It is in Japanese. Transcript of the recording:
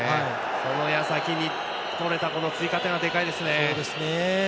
そのやさきに取れたこの追加点はでかいですね。